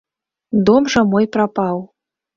Дом жа мой прапаў.